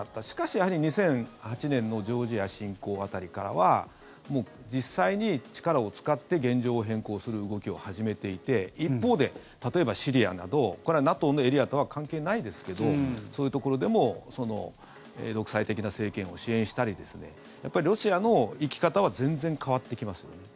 しかし、やはり２００８年のジョージア侵攻辺りからは実際に力を使って現状を変更する動きを始めていて一方で、例えばシリアなどこれはＮＡＴＯのエリアとは関係ないですけどそういうところでも独裁的な政権を支援したりやっぱり、ロシアの生き方は全然変わってきますよね。